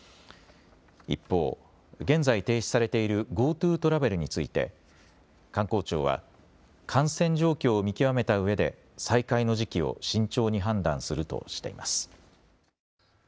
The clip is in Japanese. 一方、現在停止されているＧｏＴｏトラベルについて観光庁は感染状況を見極めたうえで再開の時期を慎重に判断するとしています。